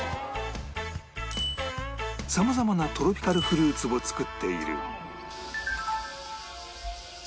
さまざまなトロピカルフルーツを作っている